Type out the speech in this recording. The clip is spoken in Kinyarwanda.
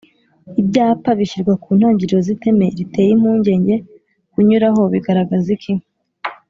Ibyapa bishyirwa ku intangiriro z’iteme riteye impungenge kunyuraho bigaragaza iki